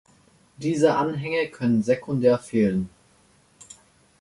Diese Anhänge können sekundär fehlen.